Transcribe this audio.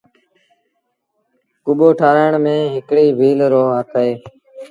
ڪٻو ٺآرآڻ ميݩ هڪڙي ڀيٚل رو هٿ اهي۔